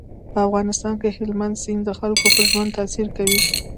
په افغانستان کې هلمند سیند د خلکو په ژوند تاثیر کوي.